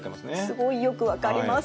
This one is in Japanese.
すごいよく分かります。